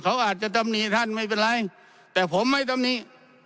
เขาอาจจะตำหนิท่านไม่เป็นไรแต่ผมไม่ตำหนิ